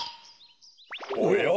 おや？